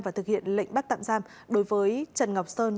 và thực hiện lệnh bắt tạm giam đối với trần ngọc sơn